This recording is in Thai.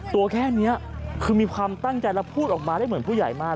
ตัวแค่นี้คือมีความตั้งใจแล้วพูดออกมาได้เหมือนผู้ใหญ่มาก